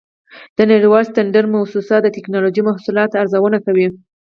د نړیوال سټنډرډ مؤسسه د ټېکنالوجۍ محصولاتو ارزونه کوي.